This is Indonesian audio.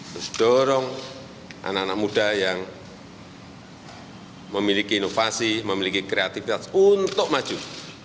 terus dorong anak anak muda yang memiliki inovasi memiliki kreativitas untuk maju